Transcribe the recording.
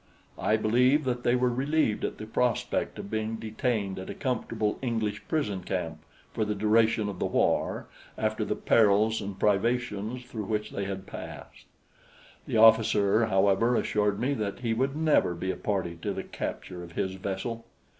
I believe that they were relieved at the prospect of being detained at a comfortable English prison camp for the duration of the war after the perils and privations through which they had passed. The officer, however, assured me that he would never be a party to the capture of his vessel.